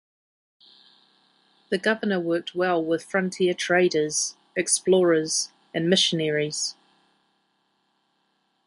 The governor worked well with frontier traders, explorers, and missionaries.